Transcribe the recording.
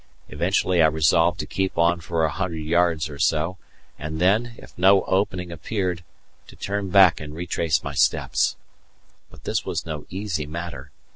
Eventually I resolved to keep on for a hundred yards or so and then, if no opening appeared, to turn back and retrace my steps. But this was no easy matter.